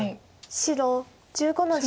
白１５の十二。